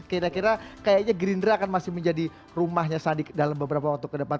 kira kira kayaknya gerindra akan masih menjadi rumahnya sandi dalam beberapa waktu ke depan